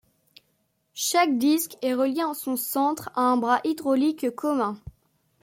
Chaque disque est relié en son centre à un bras hydraulique commun.